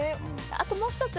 あともう一つ